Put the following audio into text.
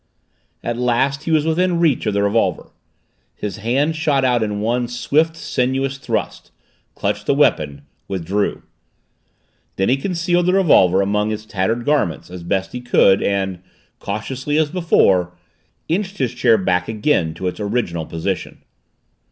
At last he was within reach of the revolver. His hand shot out in one swift sinuous thrust clutched the weapon withdrew. He then concealed the revolver among his tattered garments as best he could and, cautiously as before, inched his chair back again to its original position.